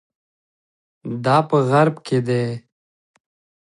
دا په غرب کې دي.